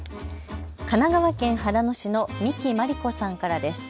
神奈川県秦野市の三木真理子さんからです。